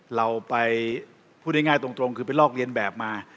เราไปพูดง่ายตรงคือไปลอกเรียนแบบมา